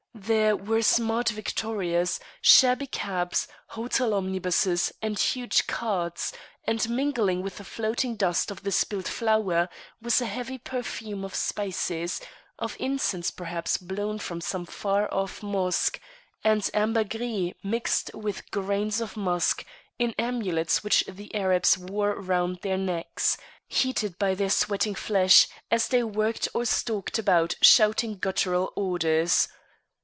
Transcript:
There were smart victorias, shabby cabs, hotel omnibuses, and huge carts; and, mingling with the floating dust of the spilt flour was a heavy perfume of spices, of incense perhaps blown from some far off mosque, and ambergris mixed with grains of musk in amulets which the Arabs wore round their necks, heated by their sweating flesh as they worked or stalked about shouting guttural orders.